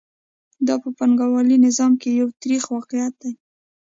دا په پانګوالي نظام کې یو تریخ واقعیت دی